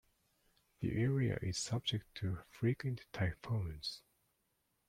The area is subject to frequent typhoons.